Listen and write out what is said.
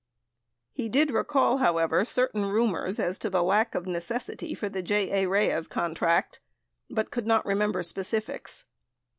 He did recall, however, certain rumors as to the lack of necessity for the J. A. Reyes contract, but could not remember specifics.